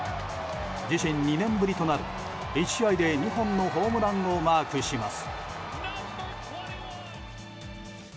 自身２年ぶりとなる１試合で２本のホームランをマークします。